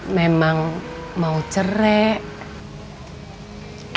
memang mau cerai